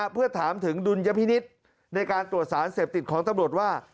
เพื่อถามถึงดุลยพินิษฐ์ในการตรวจสารเสพติดของตำรวจว่า